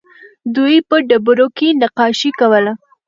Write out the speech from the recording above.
دوی په ډبرو کې نقاشي کوله